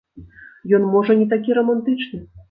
Ён можа не такі рамантычны.